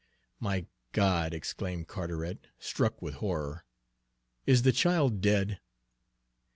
"My God!" exclaimed Carteret, struck with horror. "Is the child dead?"